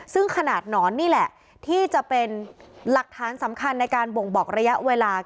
ซึ่งขนาดหนอนนี่แหละที่จะเป็นหลักฐานสำคัญในการบ่งบอกระยะเวลา